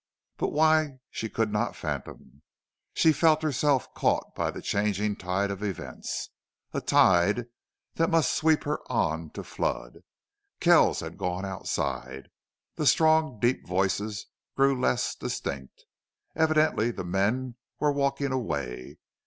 But why she could not fathom. She felt herself caught by the changing tide of events a tide that must sweep her on to flood. Kells had gone outside. The strong, deep voices' grew less distinct. Evidently the men were walking away.